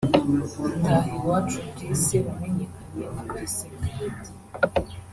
Itahiwacu Bluce wamenyekanye nka Bluce Melody